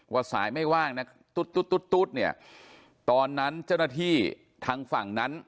สายไม่ว่างนะตุ๊ดตุ๊ดตุ๊ดเนี่ยตอนนั้นเจ้าหน้าที่ทางฝั่งนั้น